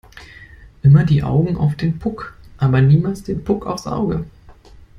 Immer die Augen auf den Puck aber niemals den Puck aufs Auge!